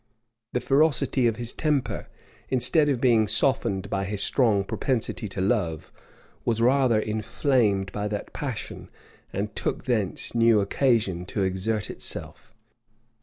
The ferocity of his temper, instead of being softened by his strong propensity to love, was rather inflamed by that passion, and took thence new occasion to exert itself.